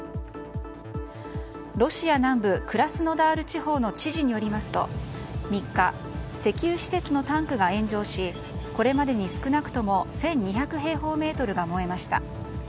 ロシア南部クラスノダール地方の知事によりますと３日、石油施設のタンクが炎上しこれまでに少なくとも１２００平方メートルが燃えました。